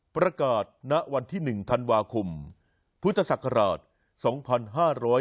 ณวันที่๑ธันวาคมพุทธศักราช๒๕๕๙